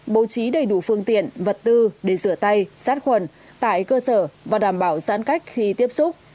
bố trí đầy đủ phương tiện vật tư để rửa tay sát khuẩn tại cơ sở và đảm bảo giãn cách khi tiếp xúc